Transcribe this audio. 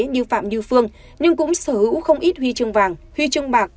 như phạm như phương nhưng cũng sở hữu không ít huy chương vàng huy chương bạc